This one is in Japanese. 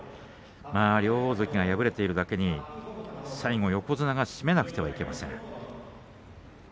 両大関が敗れているだけに最後、横綱が締めなくてはいけません。